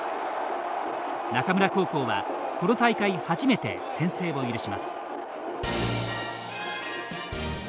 中村高校は、この大会初めて先制を許します。